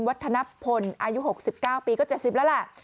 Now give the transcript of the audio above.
ธนพลอายุ๖๙ปีก็๗๐แล้วแหละ